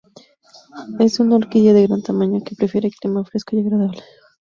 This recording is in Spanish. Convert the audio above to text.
Es una orquídea de gran tamaño, que prefiere clima fresco y agradable.